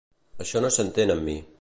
Això no s'entén amb mi.